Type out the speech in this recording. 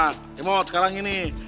kemot sekarang gini